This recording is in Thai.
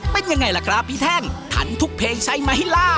เป็นยังไงล่ะครับพี่แท่งทันทุกเพลงใช่ไหมล่ะ